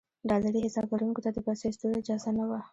ډالري حساب لرونکو ته د پیسو ایستلو اجازه نه وه.